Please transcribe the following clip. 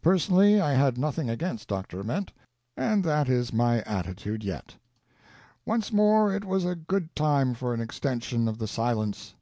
Personally, I had nothing against Dr. Ament, and that is my attitude yet. Once more it was a good time for an extension of the silence.